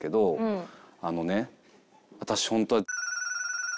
「あのね私ホントは」。